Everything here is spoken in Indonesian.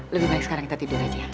lebih baik sekarang kita tidur aja